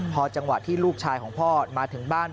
พอจังหวะที่ลูกชายของพ่อมาถึงบ้าน